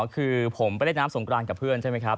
คือผมไปเล่นน้ำสงกรานกับเพื่อนใช่ไหมครับ